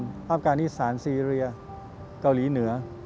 ภาพการอีสานซีเรียเกาหลีเหนือ